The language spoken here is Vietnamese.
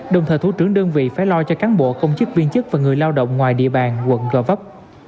đồng thời thủ trưởng đơn vị phải lo cho cán bộ công chức viên chức và người lao động ngoài địa bàn quận gò vấp